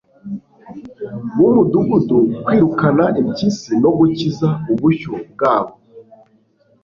w'umudugudu kwirukana impyisi no gukiza ubushyo bwabo